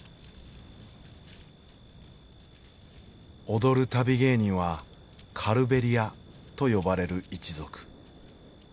踊る旅芸人はカルベリアと呼ばれる一族。